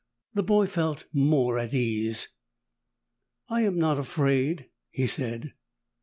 The boy felt more at ease. "I am not afraid," he said.